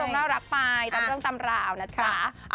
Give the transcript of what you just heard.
รุ่นเรารักไปตามเรื่องตำราวนะคะ